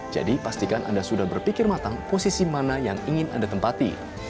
jadi pastikan anda sudah berpikir matang posisi mana yang ingin anda tempati